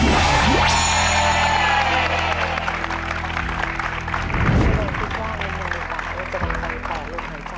เราคิดว่าอันนี้มีบาทจะมีใครต่อเลือกหายใจ